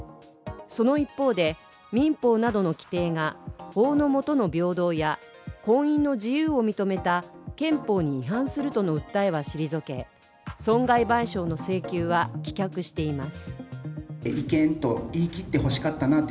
その一方で、民法などの規定が法の下の平等や婚姻の自由を認めた憲法に違反するとの訴えは退け、損害賠償の請求は棄却しています。